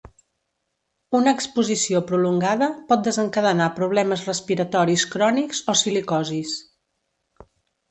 Una exposició prolongada pot desencadenar problemes respiratoris crònics o silicosis.